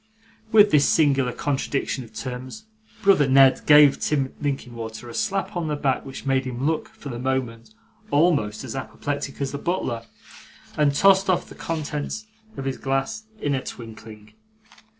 With this singular contradiction of terms, brother Ned gave Tim Linkinwater a slap on the back, which made him look, for the moment, almost as apoplectic as the butler: and tossed off the contents of his glass in a twinkling.